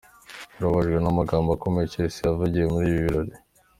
Barijijwe n'amagambo akomeye Chelsea yavugiye muri ibi birori.